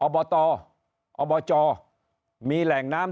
ตอบตอบจมีแหล่งน้ำ